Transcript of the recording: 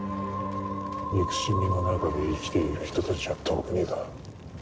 憎しみの中で生きている人たちは特にだ。